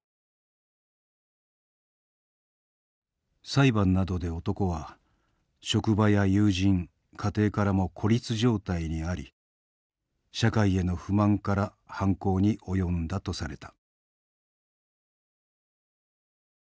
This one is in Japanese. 裁判などで男は職場や友人家庭からも孤立状態にあり社会への不満から犯行に及んだとされた。